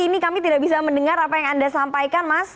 ini kami tidak bisa mendengar apa yang anda sampaikan mas